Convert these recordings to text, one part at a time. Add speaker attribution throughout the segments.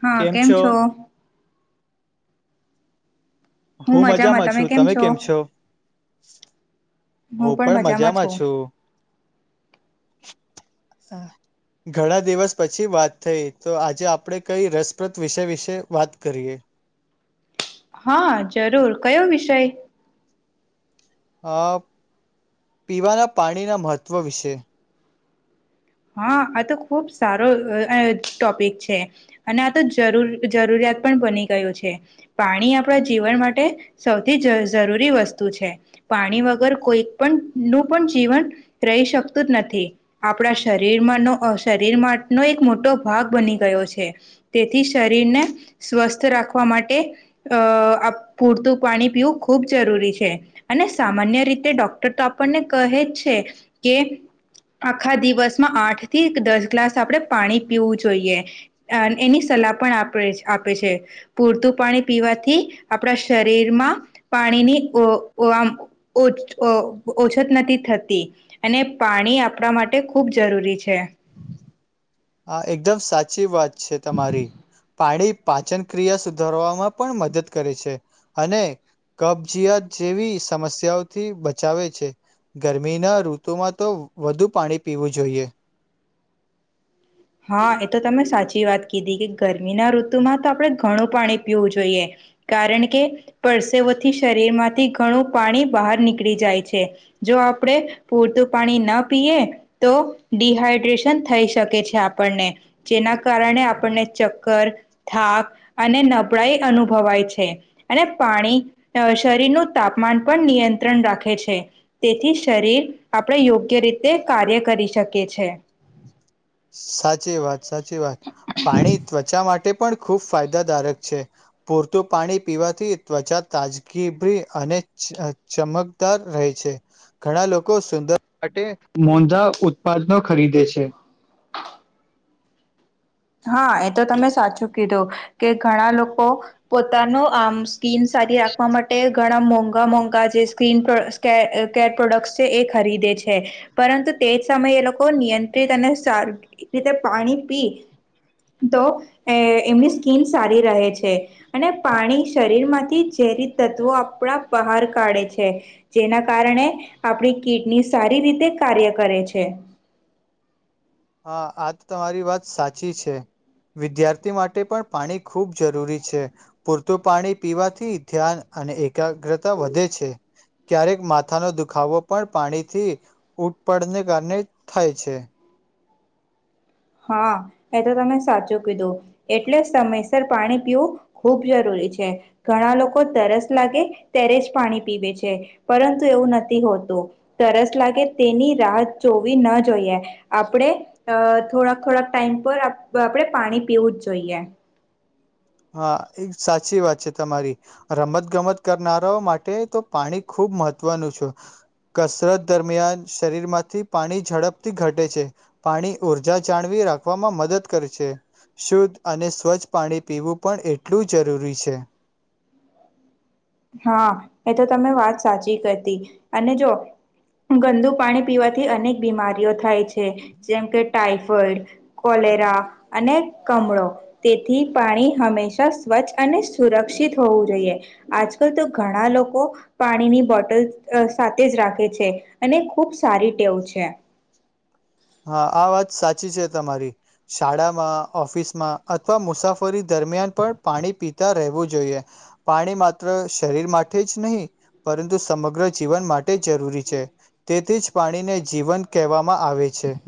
Speaker 1: હા કેમ છો
Speaker 2: હું મજામાં છું તમે કેમ છો [inaudible] હું પણ મજામાં છું ઘણા દિવસ પછી વાત થઈ તો આજે આપણે કઈ રસપ્રદ વિષય વિશે વાત કરીએ
Speaker 1: હા જરૂર કયો વિષય
Speaker 2: અ પીવાના પાણીના મહત્વ વિશે
Speaker 1: હા આ તો ખુબ સારો ટોપિક છે અને આ તો જરૂર જરૂરિયાત પણ બની ગયું છે પાણી આપણા જીવન માટે સૌથી જ જરૂરી વસ્તુ છે પાણી વગર કોઈ પણ નું પણ જીવન રહી શકતું જ નથી આપણા શ શરીરમાંનો એક મોટો ભાગ બની ગયો છે તેથી શરીરને સ્વસ્થ રાખવા માટે અ પૂરતું પાણી પીવું ખૂબ જરૂરી છે અને સામાન્ય રીતે ડોક્ટર તો આપણને કહે જ છે કે આખા દિવસ આઠ થી દસ ગ્લાસ આપણે પાણી પીવું જોઈએ એની સલાહ પણ આપે આપે છે પૂરતું પાણી પીવાથી આપણા શરીરમાં પાણીની આમ ઓછત નથી થતી અને પાણી આપણા માટે ખૂબ જરૂરી છે
Speaker 2: હા એકદમ સાચી વાત છે છે તમારી પાણી પાચન ક્રિયા સુધારવામાં પણ મદદ કરે છે અને કબજીયાત જેવી સમસ્યાઓથી બચાવે છે ગરમીના ઋતુમાં તો વધુ પાણી પીવું જોઈએ
Speaker 1: હા એ તો તમે સાચી વાત કીધી કે ગરમીના ઋતુમાં તો આપણે ઘણું પાણી પીવું જોઈએ કારણ કે પરસેવા થી શરીર માંથી ઘણું પાણી બહાર નીકળી જાય છે જો આપણે પૂરતું પાણી ન પીએ તો ડિહાઈડ્રેશન થઈ શકે છે આપણને જેના કારણે આપણને ચક્કર થાક અને નબળાાઈ અનુભવાય છે અને પાણી શરીરનું તાપમાન પણ નિયંત્રણ રાખે છે તેથી શરીર આપણે યોગ્ય રીતે કાર્ય કરી શકીએ છે
Speaker 2: સાચી વાત સાચી વાત પાણી ત્વચા માટે પણ ખૂબ ફાયદાદારક છે પૂરતું પાણી પીવાથી ત્વચા તાજગીી અને ચમકદાર રહે છે ઘણા લોકો સુંદર માટે મોંધા ઉત્પાદનો ખરીદે છે
Speaker 1: હા એ તો તમે સાચું કીધું કે ઘણા લોકો પોતાનું આમ સ્કીન સારી રાખવા માટે ઘણા મોંઘા મોંઘા જે સ્ક્રીન કેર પ્રોડક્ટ છે એ ખરીદે છે પરંતુ તે જ સમયે એ લોકો નિયંત્રિત અને સારી રીતે પાણી પી તો એ એમની સ્કીિન સારી રહે છે અને પાણી શરીરમાંથી ઝેરી તત્વો આપણા બહાર કાઢે છે જેના કારણે આપણી કિડની સારી રીતે કાર્ય કરે છે
Speaker 2: હ આ તમારી વાત સાચી છે વિદ્યાર્થી માટે પણ પાણી ખૂબ જરૂરી છે પૂરતું પાણી પીવાથી ધ્યાન અને એકાગ્રતા વધે છે ક્યારેક માથાનો દુખાવો પણ પાણીથી ઉટ પડને કારણે થાય છે
Speaker 1: હા એ તો તમે સાચું કીધું એટલે સમયસર પાણી પીવું ખૂબ જરૂરી છે ઘણા લોકો તરસ લાગે ત્યારે જ પાણી પીવે છે પરંતુ એવું નથી હોતું તરસ લાગે તેની રાહ જોવી ન જોઈએ આપણે થોડાક થોડાક ટાઈમ પર આપણે પાણી પીવું જ જોઈએ
Speaker 2: હા એક સાચી વાત છે તમારી રમત ગમત કરનારાઓ માટે તો પાણી ખૂબ મહત્વનું છ કસરત દરમિયાન શરીરમાંથી પાણી ઝડપથી ઘટે છે પાણી ઊર્જા જાળવી રાખવામાં મદદ કરે છે શુદ્ધ અને સ્વચ્છ પાણી પીવું પણ એટલું જરૂરી છે
Speaker 1: હા એ તો તમે વાત સાચી કરતી અને જો ગંદુ પાણી પીવાથી અનેક બીમારીઓ થાય છે જેમ કે ટાઈફોઈડ કોલેરા અને કમળો તેથી પાણી હંમેશા સ્વચ્છ અને સુરક્ષિત હોવું જોઈએ આજકાલ તો ઘણા લોકો પાણીની બોટલ સાથે જ રાખે છે અને ખૂબ સારી ટેવું છે
Speaker 2: હા આ વાત સાચી છે તમારી શાળામાં ઓફિસમાં અથવા મુસાફરી દરમિયાન પણ પાણી પીતા રહેવું જોઈએ પાણી માત્ર શરીર માટે જ નહીં પરંતુ સમગ્ર જીવન માટે જરૂરી છે તેથી જ પાણીને જીવન કહેવામાં આવે છે છે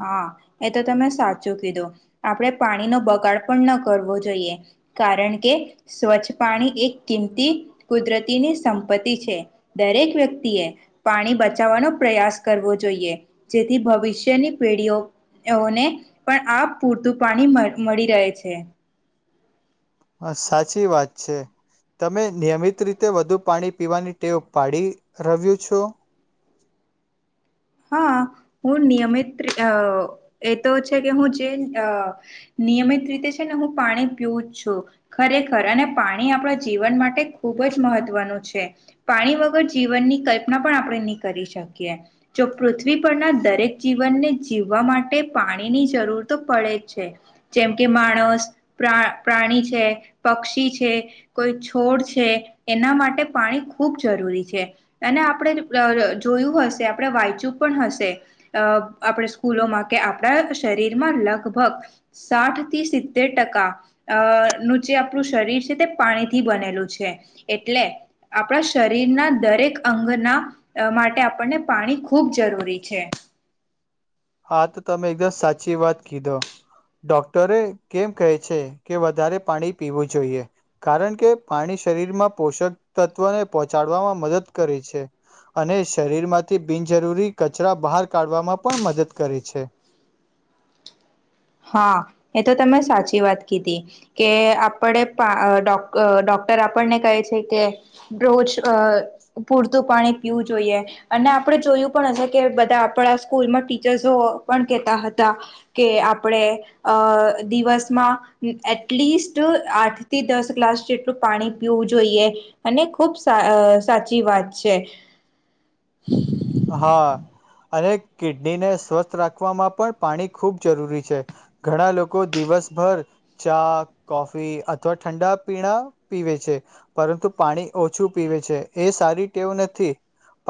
Speaker 1: હા એ તો તમે સાચું કીધું આપણે પાણીનો બગાડ પણ ન કરવો જોઈએ કારણ કે સ્વચ્છ પાણી એક કિંમતી કુદરતીની સંપત્તિ છે દરેક વ્યક્તિએ પાણી બચાવવાનો પ્રયાસ કરવો જોઈએ જેથી ભવિષ્યની પેઢીઓને પણ આ પૂરતું પાણી મળી રહે છે
Speaker 2: હ સાચી વાત છે તમે નિયમિત રીતે વધુ પાણી પીવાની ટેવ પાડી રહવ્યું છો
Speaker 1: હા હું નિયમિત એ તો છે કે હું જે નિયમિત રીતે છે ને હું પાણી પીવું જ છું ખરેખર અને પાણી આપણા જીવન માટે ખૂબ જ મહત્વનું છે પાણી વગર જીવનની કલ્પના પણ આપણે નહી કરી શકીએ જો પૃથ્વી પરના દરેક જીવનને જીવવા માટે પાણીની જરૂર તો પડે જ છે જેમ કે માણસ પ્રા પ્રાણી છે પક્ષી છે કોઈ છોડ છે એના માટે પાણી ખૂબ જરૂરી છે અને આપણે જોયું હશે આપણે વાંચુ પણ હશે અ આપણે સ્કૂલોમાં કે આપણા શરીરમાં લગભગ સાઠ થી સિત્તેર ટકા અ નું જે આપણું શરીર છે તે પાણીથી બનેલું છે એટલે આપણા શરીરના દરેક અંગના માટે આપણને પાણી ખૂબ જરૂરી છે
Speaker 2: હા તો તમે એકદમ સાચી વાત કીધો ડોક્ટરે કેમ કહે છે કે વધારે પાણી પીવું જોઈએ કારણ કે પાણી શરીરમાં પોષક તત્વને પહોંચાડવામાં મદદ કરે છે અને શરીર માંથી બિનજરૂરી કચરા બહાર કાઢવામાં પણ મદદ કરી છે
Speaker 1: હા એ તો તમે સાચી વાત કીધી કે આપણે ડોક ડોક્ટર આપણને કહે છે કે રોજ પૂરતું પાણી પીવું જોઈએ અને આપડે જોયું પણ હશે કે બધા આપણા સ્કૂલમાં ટીચર્સો પણ કેહેતા હતા કે આપણે અ દિવસમાં એટલીસ્ટ આઠ થી દસ ગ્લાસ જેટલું પાણી પીવું જોઈએ અને ખૂબ સાચી વાત છે
Speaker 2: હા અને કિડનીને સ્વસ્થ રાખવામાં પણ પાણી ખૂબ જરૂરી છે ઘણા લોકો દિવસભર ચા કોફી અથવા ઠંડા પીણા પીવે છે પરંતુ પાણી ઓછું પીવે છે એ સારી ટેવ નથી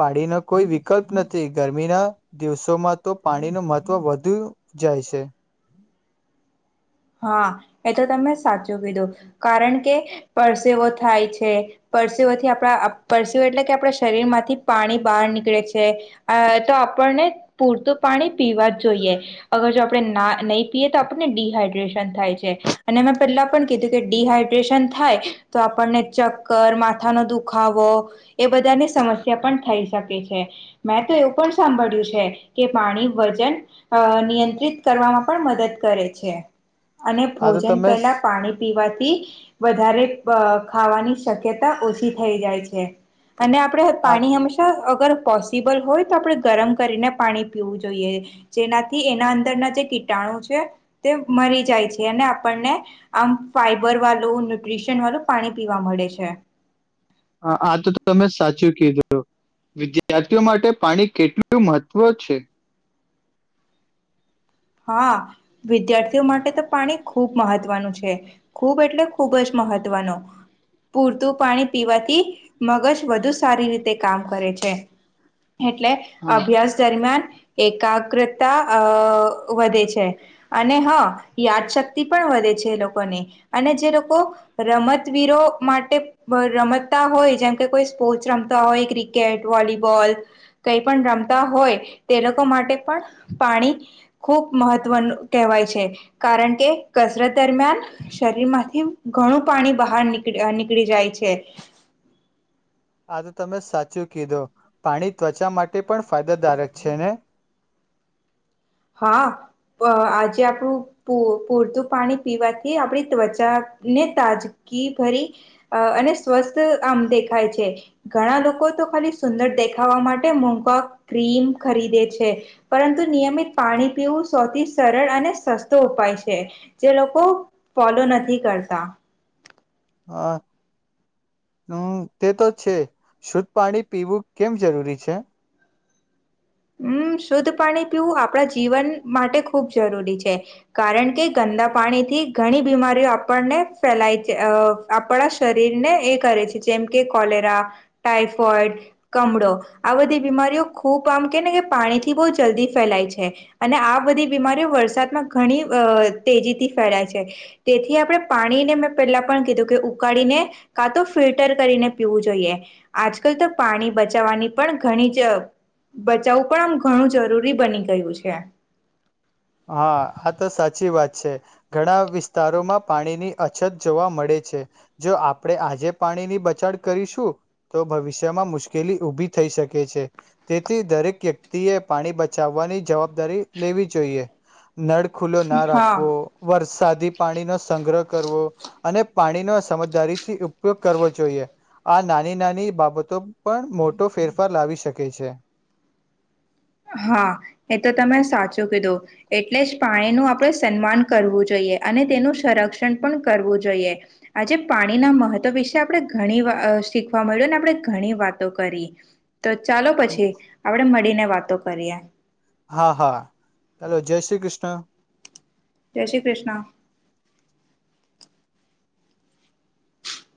Speaker 2: પાણીનો કોઈ વિકલ્પ નથી ગરમીના દિવસોમાં તો પાણીનું મહત્ત્વ વધુ જાય છે
Speaker 1: હા એ તો તમે સાચું કીધું કારણ કે પરસેવો થાય છે પરસેવથી આપણા પરસેવ એટલે કે આપણા શરીર માંથી પાણી બહાર નીકળે છે તો આપણને પૂરતું પાણી પીવા જ જોઈએ અગર જો આપણે ના નહી પીએ તો આપણને ડડીહાઈડ થાય છે અને એ પેલા પણ કીધું કે ડિહાઈડ્રેશન થાય તો આપણને ચક્કર માથાનો દુખાવો એ બધાની સમસ્યા પણ થઈ શકે છે મેં તો એવું પણ સાંભળ્યું છે કે પાણી વજન અ નિયંત્રિત કરવામાં પણ મદદ કરે છે અને
Speaker 2: આ તો
Speaker 1: ભોજન
Speaker 2: તમે
Speaker 1: પહેલા પાણી પીવાથી વધારે ખાવાની શક્યતા ઓછી થઈ જાય છે અને આપડણે
Speaker 2: આ
Speaker 1: પાણી હંમેશા અગર પોસિબલ હોય તો આપણે ગરમ કરીને પાણી પીવું જોઈએ જેનાથી એના અંદરના જે કીટાણુ છે તે મરી જાય છે અને આપણને આમ ફાઈબર વાળું ન્યુટ્રીશન વાળું પાણી પીવા મળે છે
Speaker 2: હ આ તો તમે સાચું કીધું વિદ્યાર્થીઓ માટે પાણી કેટલું મહત્વ છે
Speaker 1: હા વિદ્યાર્થીઓ માટે તો પાણી ખૂબ મહત્વનું છે ખૂબ એટલે ખૂબ જ મહત્વનું પૂરતું પાણી પીવાથી મગજ વધુ સારી રીતે કામ કરે છે એટલે
Speaker 2: હા
Speaker 1: અભ્યાસ દરમિયાન એકકાગ્રતા વધે છે અને હા યાદશક્તિ પણ વધે છે એ લોકોને અને જે લોકો રમતવીરો માટે રમતા હોય જેમ કે કોઈ સ્પોર્ટસ રમતા હોય ક્રિકેટ વોલીબોલ કઈ પણ રમતા હોય તે લોકો માટે પણ પાણી ખૂબ મહત્વનું કહેવાય છે કારણ કે કસરત દરમિયાન શરીર માંથી ઘણું પાણી બહાર નીક નીકળી જાય છે
Speaker 2: આ તમે સાચું કીધો પાણી ત્વચા માટે પણ ફાયદાદારક છે ને
Speaker 1: હા આજે આપણું પૂરતું પાણી પીવાથી આપણી ત્વચાને તાજગી ભરી અને સ્વસ્થ આમ દેખાય છે ઘણા લોકો તો ખાલી સુંદર દેખાવા માટે મોૂઘવા ક્રીમ ખરીદે છે પરંતુ નિયમિત પાણી પીવું સૌથી સરળ અને સસ્તો ઉપાય છે જે લોકો ફોલો નથી કરતા
Speaker 2: હા હમ તે તો છે શુદ્ધ પાણી પીવું કેમ જરૂરી છે
Speaker 1: હમ શુદ્ધ પાણી પીવું આપણા જીવન માટે ખૂબ જરૂરી છે કારણ કે ગંદા પાણીથી ઘણી બીમારીઓ આપણને ફેલાય છે અ આપણા શરીરને એ કરે છે જેમ કે કોલેરા ટાઈફોઈડ કમળો આ બધી બીમારીઓ ખૂબ આમ ને કે પાણીથી બહુ જલ્દી ફેલાય છે અને આ બધી બીમારીઓ વરસાદમાં ઘણી તેજીથી ફેલાય છે તેથી આપણે પાણીને મેં પેલા પણ કીધું કે ઉકાળીને કાં તો ફિલ્ટર કરીને પીવું જોઈએ આજકાલ તો પાણી બચાવવાની પણ ઘણી જ બચાવું પણ આમ ઘણું જરૂરી બની ગયું છે
Speaker 2: હા આ તો સાચી વાત છે ઘણા વિસ્તારોમાં પાણીની અછત જોવા મળે છે જો આપણે આજે પાણીની બચડ કરીશું તો ભવિષ્યમાં મુશ્કેલી ઉઊભી થઈ શકે છે તેથી દરેક વ્યક્તિએ પાણી બચાવવાની જવાબદારી લેવી જોઈએ નળ ખુલ્લો ના રાખવો
Speaker 1: હા
Speaker 2: વર્ષ સાદી પાણીનોો સંગ્રહ કરવો અને પાણીનો સમજદારીથી ઉપયોગ કરવો જોઈએ. આ નાની, નાની બાબતો પણ મોટો ફેરફાર લાવી શકે છે.
Speaker 1: હા, એ તો તમે સાચું કીધું. એટલે જ પાણીનું આપણે સન્માન કરવું જોઈએ અને તેનું સંરક્ષણ પણ કરવું જોઈએ. આજે પાણીના મહત્ત્વ વિશે આપણે ઘણી શીખવા મળ્યું અને આપણે ઘણી વાતો કરી. તો ચાલો પછી આપણે મળીને તો કર્યા.
Speaker 2: હા, હા હલો., જય શ્રી કૃષ્ણ.
Speaker 1: જય શ્રી કૃષ્ણ.